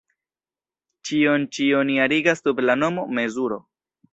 Ĉion ĉi oni arigas sub la nomo "mezuro".